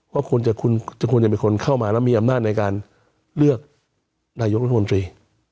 ว่าคุณควรจะเป็นคนเข้ามาแล้วมีอำนาจในการเลือกนายกรุงมนตรี